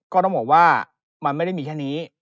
ก็ต้องบอกว่ามันไม่ได้มีแค่นี้